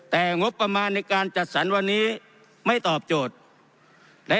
แต่งบประมาณในการจัดสรรวันนี้ไม่ตอบโจทย์